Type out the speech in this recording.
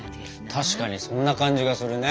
確かにそんな感じがするね。